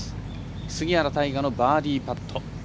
杉原大河のバーディーパット。